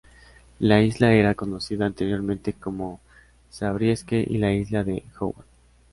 La isla era conocida anteriormente como Zabriskie y la isla de Howard.